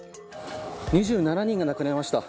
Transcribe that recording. ２７人が亡くなりました。